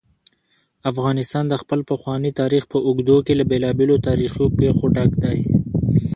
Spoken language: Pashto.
افغانستان د خپل پخواني تاریخ په اوږدو کې له بېلابېلو تاریخي پېښو ډک دی.